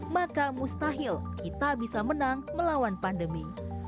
maka mustahil kita bisa menang melawan pandemi